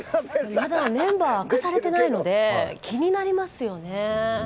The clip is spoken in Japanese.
まだメンバー明かされてないので気になりますよね